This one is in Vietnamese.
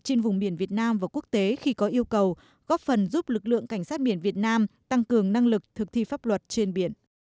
trên vùng biển việt nam và quốc tế khi có yêu cầu góp phần giúp lực lượng cảnh sát biển việt nam tăng cường năng lực thực thi pháp luật trên biển